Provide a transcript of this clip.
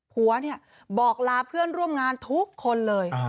ผัวเนี่ยบอกลาเพื่อนร่วมงานทุกคนเลย